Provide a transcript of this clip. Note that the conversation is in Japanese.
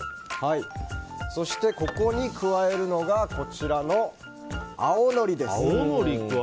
そして、ここに加えるのがこちらの青のりです。